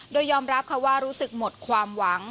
โดยยอมรับค่ะว่ารู้สึกหมดความหวัง